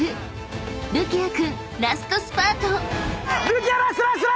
るきあ君ラストスパート！］